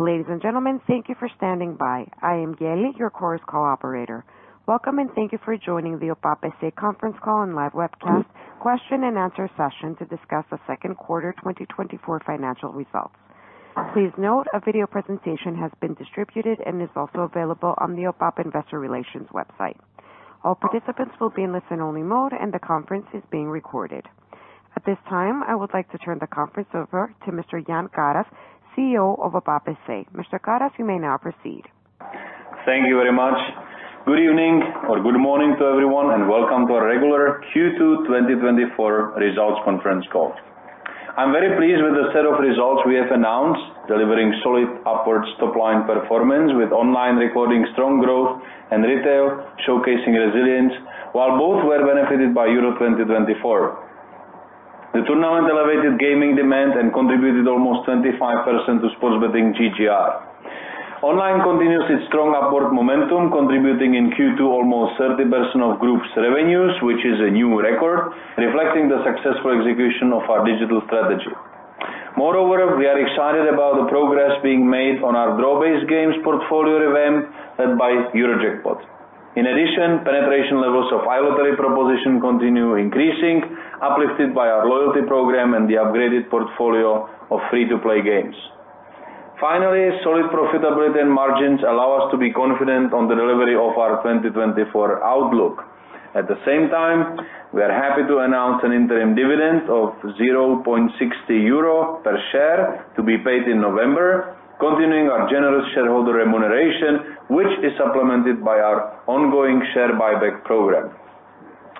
Ladies and gentlemen, thank you for standing by. I am Geli, your Chorus Call operator. Welcome, and thank you for joining the OPAP S.A. conference call and live webcast question and answer session to discuss the second quarter twenty twenty-four financial results. Please note, a video presentation has been distributed and is also available on the OPAP Investor Relations website. All participants will be in listen-only mode, and the conference is being recorded. At this time, I would like to turn the conference over to Mr. Jan Karas, CEO of OPAP S.A. Mr. Karas, you may now proceed. Thank you very much. Good evening or good morning to everyone, and welcome to our regular Q2 2024 results conference call. I'm very pleased with the set of results we have announced, delivering solid upward top-line performance, with online recording strong growth and retail showcasing resilience, while both were benefited by Euro 2024. The tournament elevated gaming demand and contributed almost 25% to sports betting GGR. Online continues its strong upward momentum, contributing in Q2 almost 30% of group's revenues, which is a new record, reflecting the successful execution of our digital strategy. Moreover, we are excited about the progress being made on our Draw-Based games portfolio event, led by Eurojackpot. In addition, penetration levels of iLottery proposition continue increasing, uplifted by our loyalty program and the upgraded portfolio of free-to-play games. Finally, solid profitability and margins allow us to be confident on the delivery of our 2024 outlook. At the same time, we are happy to announce an interim dividend of 0.60 euro per share to be paid in November, continuing our generous shareholder remuneration, which is supplemented by our ongoing share buyback program.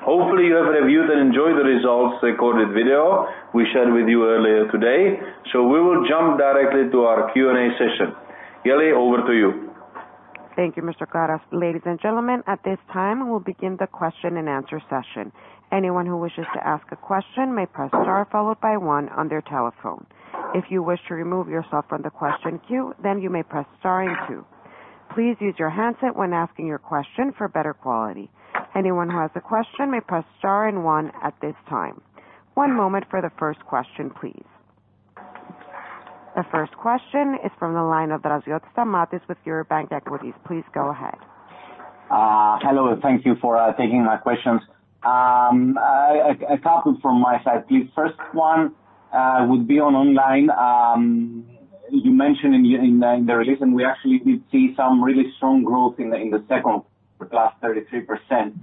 Hopefully, you have reviewed and enjoyed the results recorded video we shared with you earlier today. So we will jump directly to our Q&A session. Geli, over to you. Thank you, Mr. Karas. Ladies and gentlemen, at this time, we'll begin the question-and-answer session. Anyone who wishes to ask a question may press star followed by one on their telephone. If you wish to remove yourself from the question queue, then you may press star and two. Please use your handset when asking your question for better quality. Anyone who has a question may press star and one at this time. One moment for the first question, please. The first question is from the line of Draziotis Stamatios with Eurobank Equities. Please go ahead. Hello, thank you for taking my questions. A couple from my side, please. First one would be on online. You mentioned in the release, and we actually did see some really strong growth in the second half, up 33%.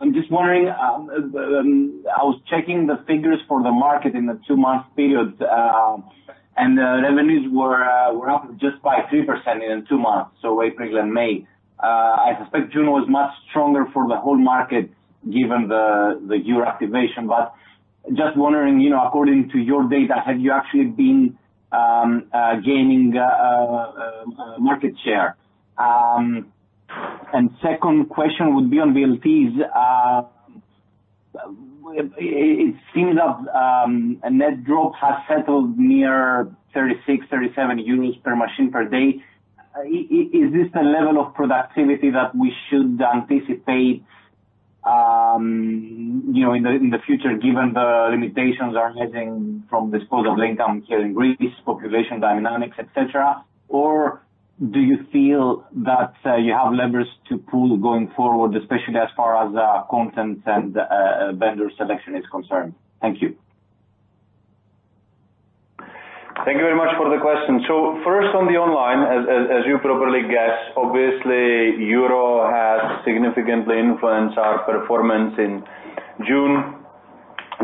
I'm just wondering, I was checking the figures for the market in the two-month period, and the revenues were up just by 3% in two months, so April and May. I suspect June was much stronger for the whole market, given the Euro activation, but just wondering, you know, according to your data, have you actually been gaining market share? And second question would be on VLTs. It seems that a net drop has settled near thirty-six, thirty-seven units per machine per day. Is this the level of productivity that we should anticipate, you know, in the future, given the limitations arising from disposable income here in Greece, population dynamics, et cetera? Or do you feel that you have levers to pull going forward, especially as far as content and vendor selection is concerned? Thank you. Thank you very much for the question. So first on the online, as you properly guessed, obviously, Euro has significantly influenced our performance in June,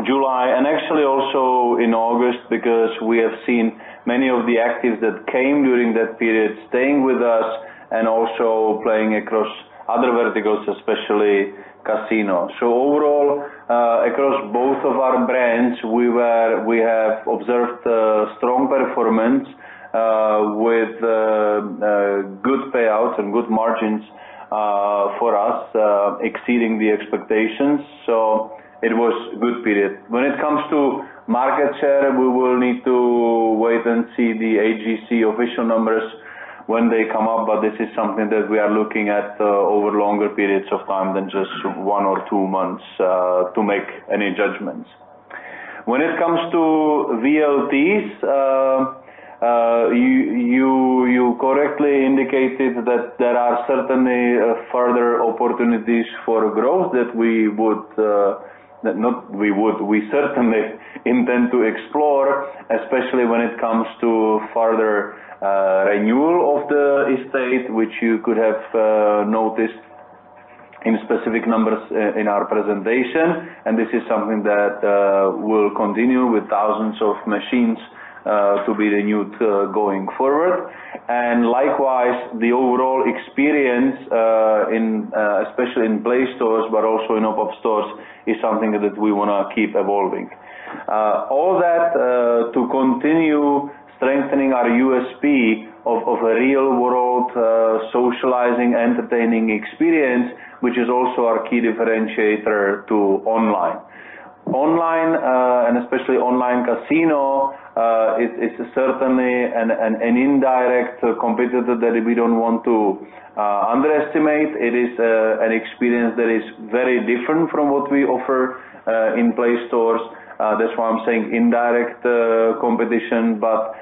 July, and actually also in August, because we have seen many of the actives that came during that period staying with us and also playing across other verticals, especially casino. So overall, across both of our brands, we have observed strong performance with good payouts and good margins for us, exceeding the expectations, so it was a good period. When it comes to market share, we will need to wait and see the HGC official numbers when they come out, but this is something that we are looking at over longer periods of time than just one or two months to make any judgments. When it comes to VLTs, you correctly indicated that there are certainly further opportunities for growth that we certainly intend to explore, especially when it comes to further renewal of the estate, which you could have noticed in specific numbers in our presentation, and this is something that will continue with thousands of machines to be renewed going forward. And likewise, the overall experience in especially in PLAY Stores, but also in OPAP Stores, is something that we wanna keep evolving. All that to continue strengthening our USP of a real-world socializing, entertaining experience, which is also our key differentiator to online. Online and especially online casino is certainly an indirect competitor that we don't want to underestimate. It is an experience that is very different from what we offer in PLAY Stores. That's why I'm saying indirect competition, but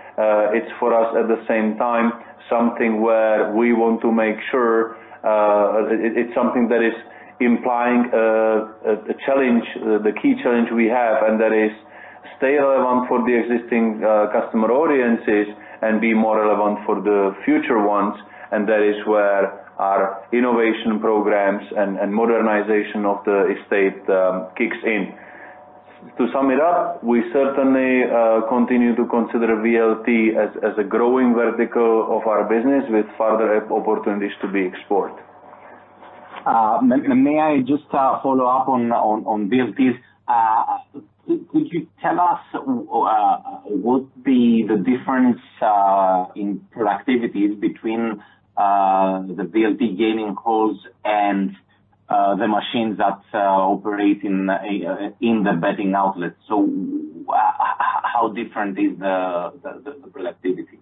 it's for us, at the same time, something where we want to make sure it's something that is implying a challenge, the key challenge we have, and that is stay relevant for the existing customer audiences and be more relevant for the future ones, and that is where our innovation programs and modernization of the estate kicks in. To sum it up, we certainly continue to consider VLT as a growing vertical of our business with further opportunities to be explored. May I just follow up on VLTs? Could you tell us what be the difference in productivities between the VLT gaming halls and the machines that operate in the betting outlets? So how different is the productivity?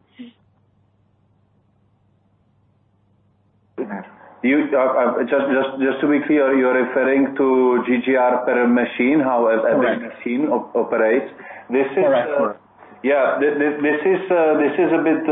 Just to be clear, you're referring to GGR per machine, how every- Correct. machine operates? This is Correct. Yeah, this is a bit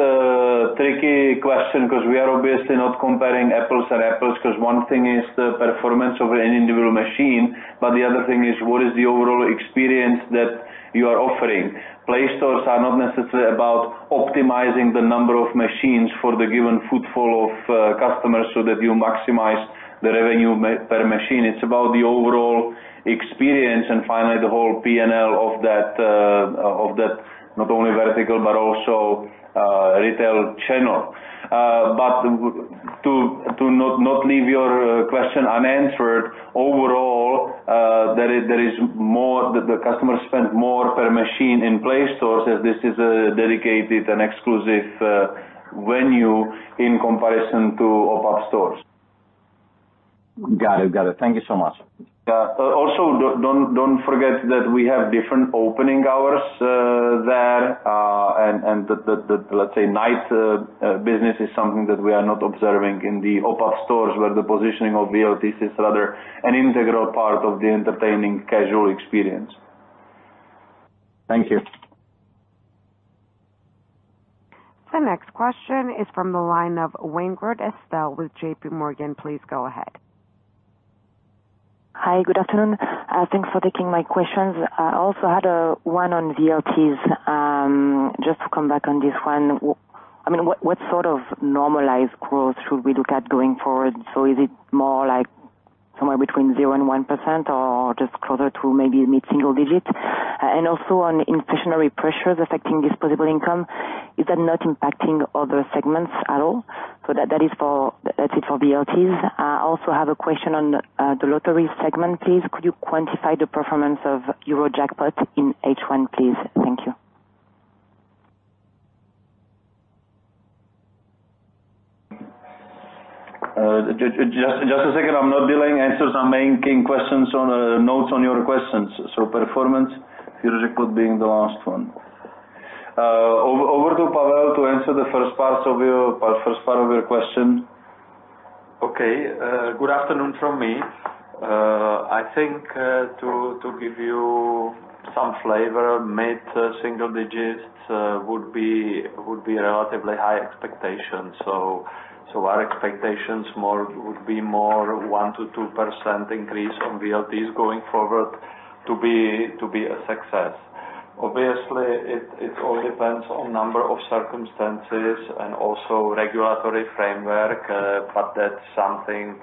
tricky question, 'cause we are obviously not comparing apples and apples, 'cause one thing is the performance of an individual machine, but the other thing is, what is the overall experience that you are offering? PLAY Stores are not necessarily about optimizing the number of machines for the given footfall of customers so that you maximize the revenue made per machine. It's about the overall experience and finally, the whole P&L of that not only vertical but also retail channel. But to not leave your question unanswered, overall, there is more- the customers spend more per machine in PLAY Stores, as this is a dedicated and exclusive venue in comparison to OPAP Stores. Got it. Got it. Thank you so much. Yeah. Also, don't forget that we have different opening hours there, and the, let's say, night business is something that we are not observing in the OPAP Stores, where the positioning of VLTs is rather an integral part of the entertaining casual experience. Thank you. The next question is from the line of Weingrod Estelle with JPMorgan. Please go ahead. Hi, good afternoon. Thanks for taking my questions. I also had one on VLTs. Just to come back on this one, I mean, what sort of normalized growth should we look at going forward? So is it more like somewhere between 0% and 1%, or just closer to maybe mid-single digit? And also on inflationary pressures affecting disposable income, is that not impacting other segments at all? So that's it for VLTs. I also have a question on the lottery segment, please. Could you quantify the performance of Eurojackpot in H1, please? Thank you. Just a second. I'm not reading answers. I'm making notes on your questions. So performance, Eurojackpot being the last one. Over to Pavel to answer the first part of your question. Okay. Good afternoon from me. I think to give you some flavor, mid-single digits would be a relatively high expectation. So our expectations would be more 1%-2% increase on VLTs going forward to be a success. Obviously, it all depends on a number of circumstances and also regulatory framework, but that's something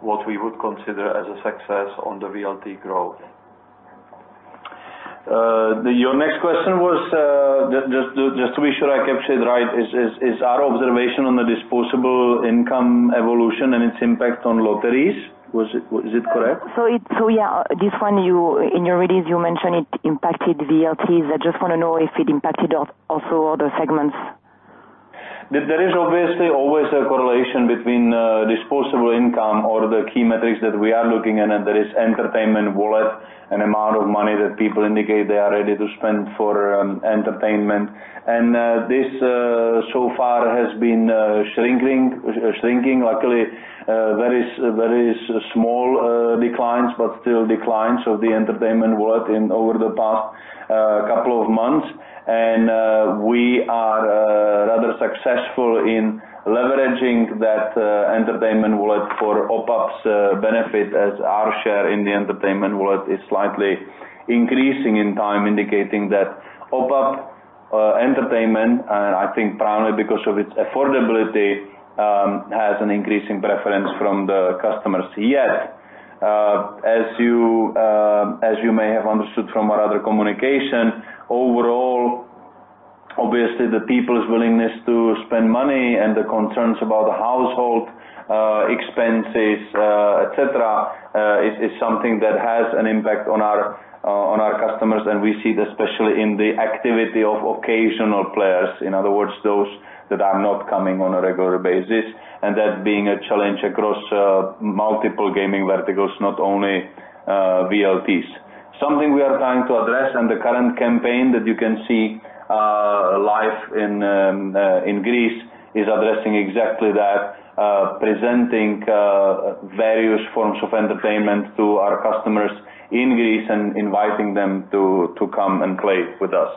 what we would consider as a success on the VLT growth. Your next question was, just to be sure I captured it right, is our observation on the disposable income evolution and its impact on lotteries. Is it correct? So yeah, this one, you in your release, you mentioned it impacted VLTs. I just wanna know if it impacted also other segments. There is obviously always a correlation between disposable income or the key metrics that we are looking at, and that is entertainment wallet and amount of money that people indicate they are ready to spend for entertainment. This so far has been shrinking. Luckily very small declines, but still declines of the entertainment wallet over the past couple of months. We are rather successful in leveraging that entertainment wallet for OPAP's benefit, as our share in the entertainment wallet is slightly increasing in time, indicating that OPAP entertainment I think primarily because of its affordability has an increasing preference from the customers. Yet, as you may have understood from our other communication, overall, obviously, the people's willingness to spend money and the concerns about the household expenses, et cetera, is something that has an impact on our on our customers, and we see it especially in the activity of occasional players. In other words, those that are not coming on a regular basis, and that being a challenge across multiple gaming verticals, not only VLTs. Something we are trying to address, and the current campaign that you can see live in Greece, is addressing exactly that, presenting various forms of entertainment to our customers in Greece and inviting them to come and play with us.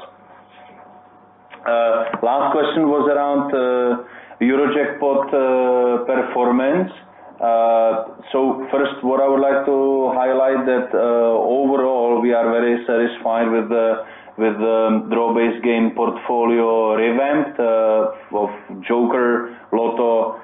Last question was around the Eurojackpot performance. So first, what I would like to highlight that, overall, we are very satisfied with the draw-based games portfolio, even of Tzoker, Lotto,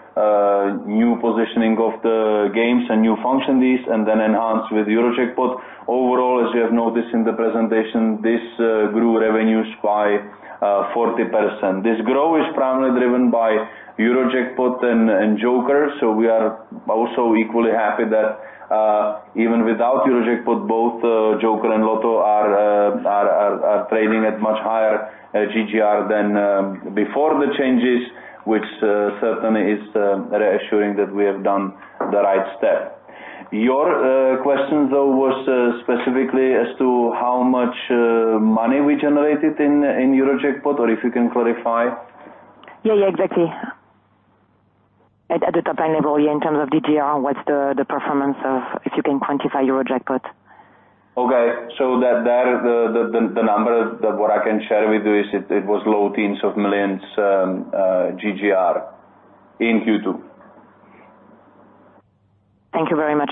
new positioning of the games and new functionalities, and then enhanced with Eurojackpot. Overall, as you have noticed in the presentation, this grew revenues by 40%. This growth is primarily driven by Eurojackpot and Tzoker, so we are also equally happy that even without Eurojackpot, both Tzoker and Lotto are trading at much higher GGR than before the changes, which certainly is reassuring that we have done the right step. Your question, though, was specifically as to how much money we generated in Eurojackpot, or if you can clarify? Yeah, yeah, exactly. At the top-line level, yeah, in terms of GGR, what's the performance of... If you can quantify Eurojackpot. Okay. So the number that I can share with you is. It was low teens of millions GGR in Q2. Thank you very much.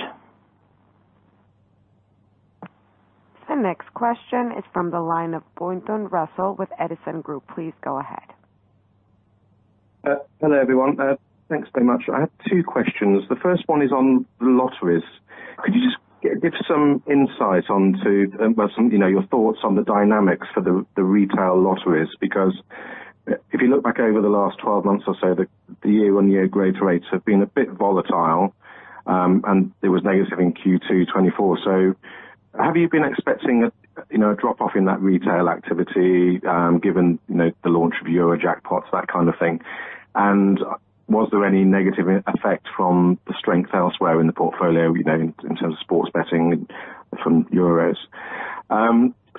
The next question is from the line of Russell Pointon with Edison Group. Please go ahead. Hello, everyone. Thanks so much. I have two questions. The first one is on lotteries. Could you just give us some insight onto some, you know, your thoughts on the dynamics for the retail lotteries? Because if you look back over the last twelve months or so, the year-on-year growth rates have been a bit volatile, and it was negative in Q2 2024. So have you been expecting a, you know, a drop-off in that retail activity, given, you know, the launch of Eurojackpot, that kind of thing? Was there any negative effect from the strength elsewhere in the portfolio, you know, in terms of sports betting from Euros?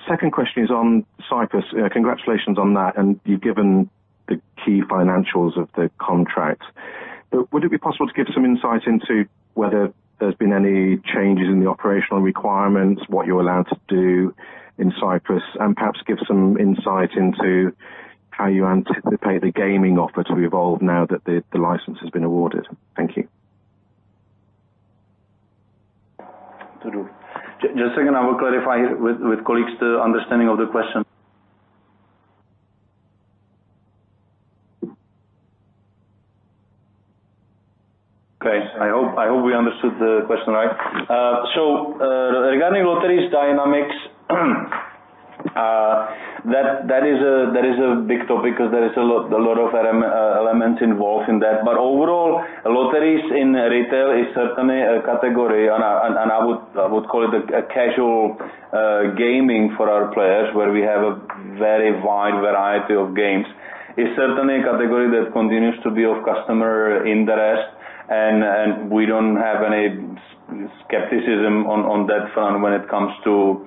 Second question is on Cyprus. Congratulations on that, and you've given the key financials of the contract. But would it be possible to give some insight into whether there's been any changes in the operational requirements, what you're allowed to do in Cyprus, and perhaps give some insight into how you anticipate the gaming offer to evolve now that the license has been awarded? Thank you. Just a second, I will clarify with colleagues the understanding of the question. Okay. I hope we understood the question right. So, regarding lotteries dynamics, that is a big topic because there is a lot of elements involved in that. But overall, lotteries in retail is certainly a category, and I would call it a casual gaming for our players, where we have a very wide variety of games. It's certainly a category that continues to be of customer interest, and we don't have any skepticism on that front when it comes to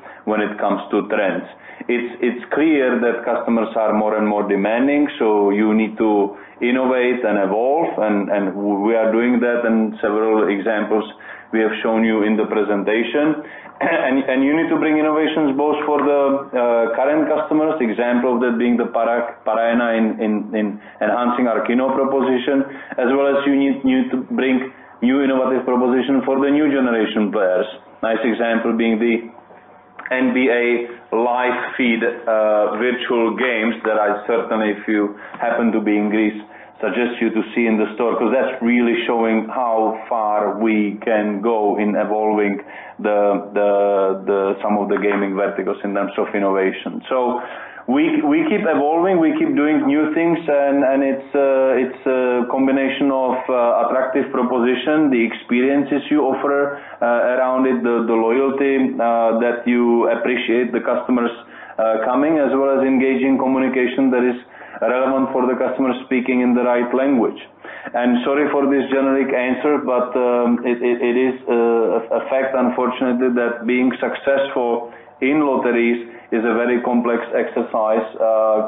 trends. It's clear that customers are more and more demanding, so you need to innovate and evolve, and we are doing that, and several examples we have shown you in the presentation. You need to bring innovations both for the current customers, example of that being the Para 1 in enhancing our KINO proposition, as well as you need to bring new innovative proposition for the new generation players. Nice example being the NBA live feed virtual games that I certainly, if you happen to be in Greece, suggest you to see in the store, because that's really showing how far we can go in evolving some of the gaming verticals in terms of innovation. So we keep evolving, we keep doing new things, and it's a combination of attractive proposition, the experiences you offer around it, the loyalty that you appreciate the customers coming, as well as engaging communication that is relevant for the customers, speaking in the right language. I'm sorry for this generic answer, but it is a fact, unfortunately, that being successful in lotteries is a very complex exercise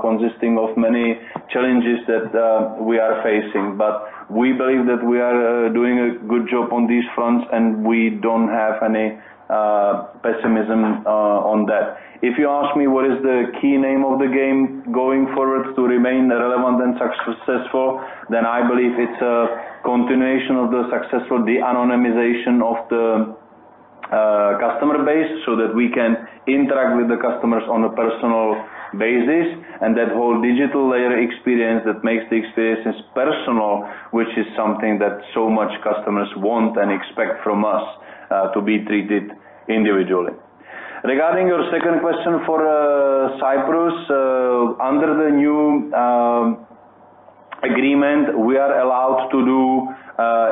consisting of many challenges that we are facing, but we believe that we are doing a good job on these fronts, and we don't have any pessimism on that. If you ask me what is the key name of the game going forward to remain relevant and successful, then I believe it's a continuation of the successful de-anonymization of the customer base, so that we can interact with the customers on a personal basis, and that whole digital layer experience that makes the experiences personal, which is something that so much customers want and expect from us to be treated individually. Regarding your second question for Cyprus, under the new agreement, we are allowed to do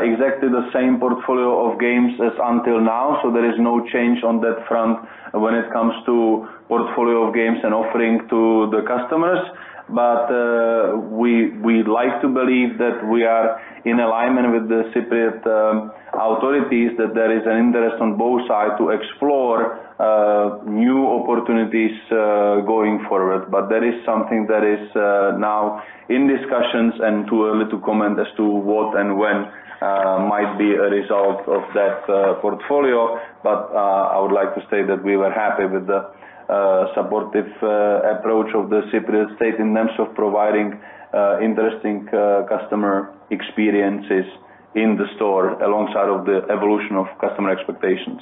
exactly the same portfolio of games as until now, so there is no change on that front when it comes to portfolio of games and offering to the customers, but we'd like to believe that we are in alignment with the Cypriot authorities, that there is an interest on both sides to explore new opportunities going forward. But that is something that is now in discussions and too early to comment as to what and when might be a result of that portfolio. But I would like to say that we were happy with the supportive approach of the Cypriot state in terms of providing interesting customer experiences in the store alongside of the evolution of customer expectations.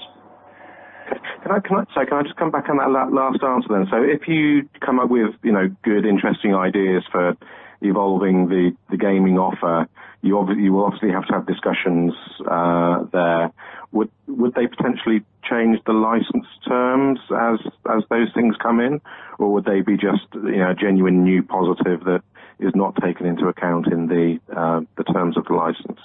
Can I - sorry, can I just come back on that last answer then? So if you come up with, you know, good, interesting ideas for evolving the gaming offer, you obviously will have to have discussions there. Would they potentially change the license terms as those things come in? Or would they be just, you know, a genuine new positive that is not taken into account in the terms of the license?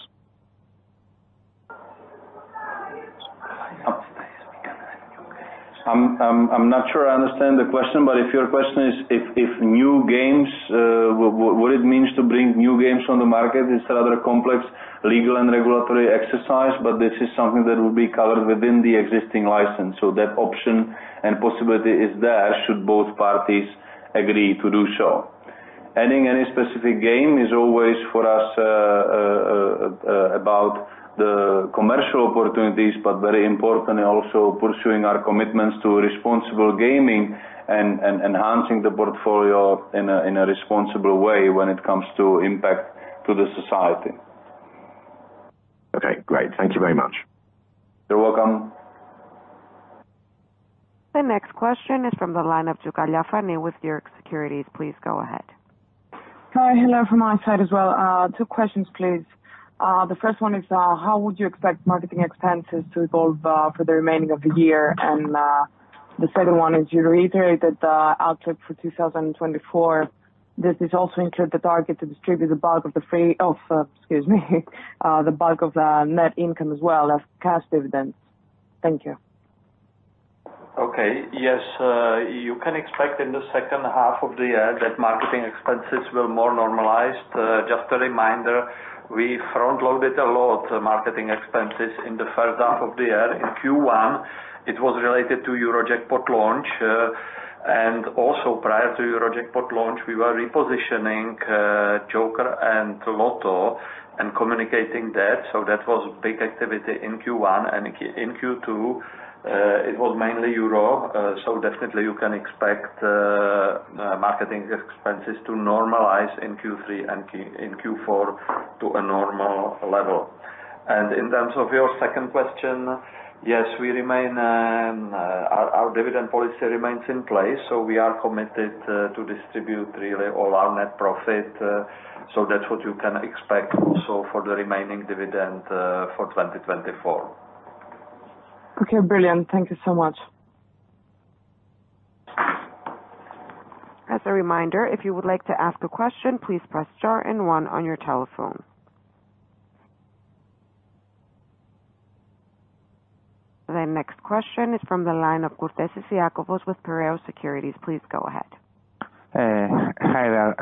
I'm not sure I understand the question, but if your question is if new games, what it means to bring new games on the market, it's a rather complex legal and regulatory exercise, but this is something that will be covered within the existing license. So that option and possibility is there, should both parties agree to do so. Adding any specific game is always, for us, about the commercial opportunities, but very importantly, also pursuing our commitments to responsible gaming and enhancing the portfolio in a responsible way when it comes to impact to the society. Okay, great. Thank you very much. You're welcome. The next question is from the line of Tzioukalia Fani with Euroxx Securities. Please go ahead. Hi. Hello from my side as well. Two questions, please. The first one is, how would you expect marketing expenses to evolve, for the remaining of the year? And, the second one is, you reiterated the outlook for 2024? Does this also include the target to distribute the bulk of the free... Oh, excuse me, the bulk of the net income as well as cash dividends? Thank you. Okay. Yes, you can expect in the second half of the year that marketing expenses will be more normalized. Just a reminder, we front-loaded a lot of marketing expenses in the first half of the year. In Q1, it was related to Eurojackpot launch, and also prior to Eurojackpot launch, we were repositioning Tzoker and Lotto and communicating that. So that was a big activity in Q1, and in Q2, it was mainly Euro. So definitely you can expect marketing expenses to normalize in Q3 and in Q4 to a normal level. And in terms of your second question, yes, our dividend policy remains in place, so we are committed to distribute really all our net profit. So that's what you can expect also for the remaining dividend for 2024. Okay, brilliant. Thank you so much. As a reminder, if you would like to ask a question, please press star and one on your telephone. The next question is from the line of Kourtesis Iakovos with Piraeus Securities. Please go ahead. Hi there.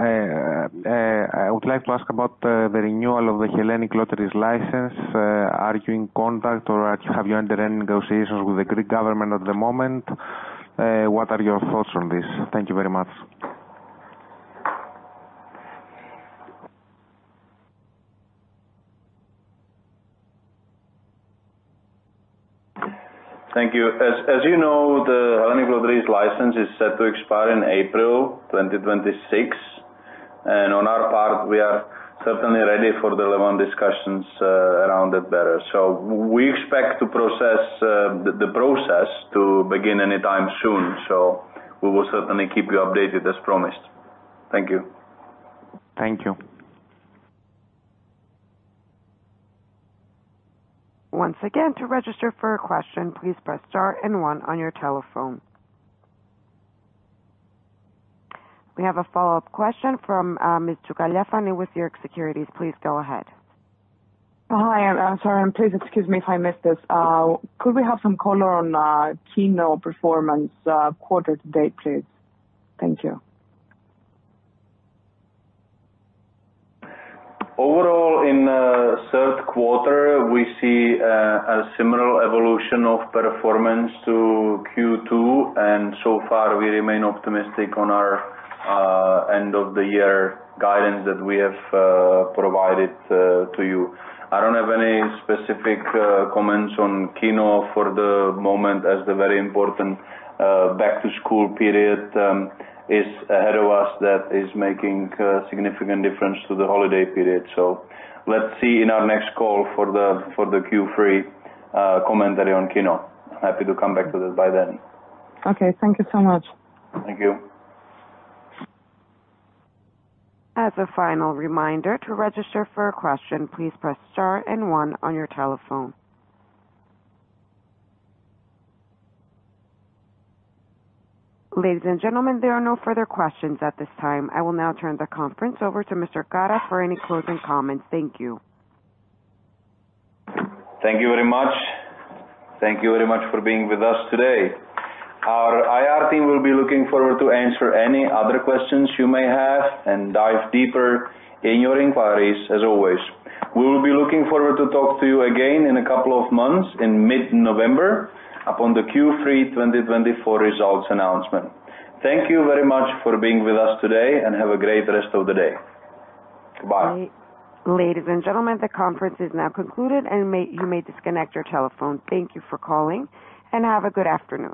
I would like to ask about the renewal of the Hellenic Lotteries' license. Are you in contact or have you entered any negotiations with the Greek government at the moment? What are your thoughts on this? Thank you very much. Thank you. As you know, the Hellenic Lotteries' license is set to expire in April 2026, and on our part, we are certainly ready for the relevant discussions around it better. So we expect the process to begin anytime soon, so we will certainly keep you updated, as promised. Thank you. Thank you. Once again, to register for a question, please press star and one on your telephone. We have a follow-up question from Ms. Tzioukalia Fani with Euroxx Securities. Please go ahead. Hi, I'm sorry. Please excuse me if I missed this. Could we have some color on KINO performance quarter to date, please? Thank you. Overall, in third quarter, we see a similar evolution of performance to Q2, and so far, we remain optimistic on our end-of-the-year guidance that we have provided to you. I don't have any specific comments on KINO for the moment, as the very important back-to-school period is ahead of us. That is making a significant difference to the holiday period. So let's see in our next call for the Q3 commentary on KINO. Happy to come back to that by then. Okay, thank you so much. Thank you. As a final reminder, to register for a question, please press star and one on your telephone. Ladies and gentlemen, there are no further questions at this time. I will now turn the conference over to Mr. Karas for any closing comments. Thank you. Thank you very much. Thank you very much for being with us today. Our IR team will be looking forward to answer any other questions you may have and dive deeper in your inquiries as always. We will be looking forward to talk to you again in a couple of months, in mid-November, upon the Q3 2024 results announcement. Thank you very much for being with us today, and have a great rest of the day. Bye. Ladies and gentlemen, the conference is now concluded and you may disconnect your telephone. Thank you for calling, and have a good afternoon.